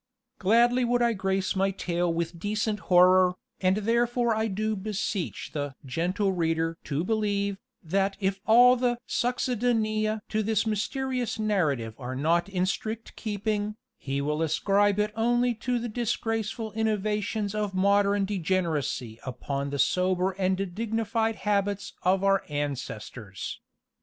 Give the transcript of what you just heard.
Gladly would I grace my tale with decent horror, and therefore I do beseech the "gentle reader" to believe, that if all the succedanea to this mysterious narrative are not in strict keeping, he will ascribe it only to the disgraceful innovations of modern degeneracy upon the sober and dignified habits of our ancestors.